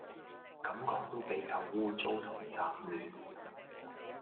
感覺都比較污糟同雜亂